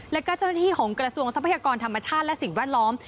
แล้วก็เจ้าหน้าที่ของกระทรวงทรัพยากรธรรมชาติและสิ่งแวดล้อม